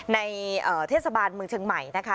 ในเทศบาลเมืองเชียงใหม่นะคะ